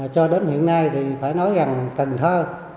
cho đến hiện nay thì phải nói rằng cần thơ